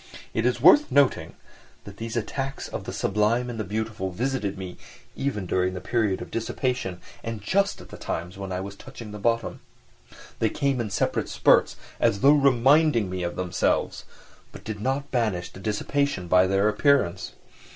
It is worth noting that these attacks of the "sublime and the beautiful" visited me even during the period of dissipation and just at the times when I was touching the bottom. They came in separate spurts, as though reminding me of themselves, but did not banish the dissipation by their appearance.